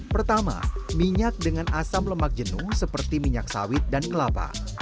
pertama minyak dengan asam lemak jenuh seperti minyak sawit dan kelapa